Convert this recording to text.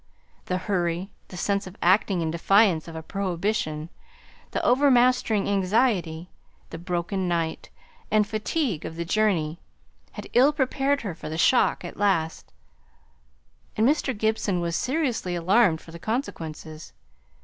The hurry, the sense of acting in defiance of a prohibition, the over mastering anxiety, the broken night, and fatigue of the journey, had ill prepared her for the shock at last, and Mr. Gibson was seriously alarmed for the consequences.